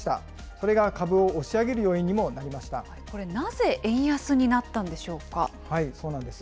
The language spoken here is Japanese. それが株を押し上げる要因にもなこれ、なぜ円安になったんでそうなんです。